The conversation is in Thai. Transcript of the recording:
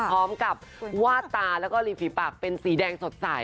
พร้อมกับวาดตาแล้วก็ริมฝีปากเป็นสีแดงสดใส